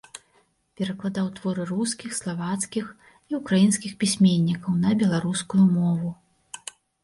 Перакладаў творы рускіх, славацкіх, і ўкраінскіх пісьменнікаў на беларускую мову.